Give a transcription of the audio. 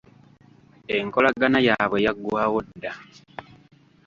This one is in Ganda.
Enkolagana yaabwe yaggwawo dda.